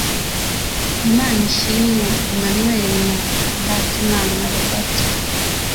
Imanishimwe Emmanuel na Ndatimana Robert